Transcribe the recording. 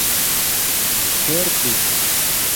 helpus